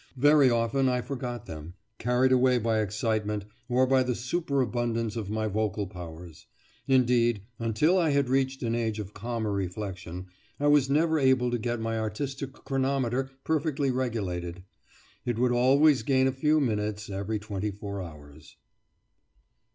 Very often I forgot them, carried away by excitement, or by the superabundance of my vocal powers; indeed, until I had reached an age of calmer reflection I was never able to get my artistic chronometer perfectly regulated; it would always gain a few minutes every twenty four hours.